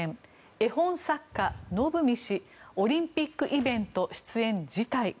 絵本作家・のぶみ氏オリンピックイベント出演辞退。